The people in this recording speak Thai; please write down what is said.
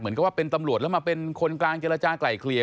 เหมือนกับว่าเป็นตำรวจแล้วมาเป็นคนกลางเจรจาไกลเขลีย